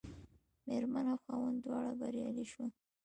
مېرمن او خاوند دواړه بریالي شول.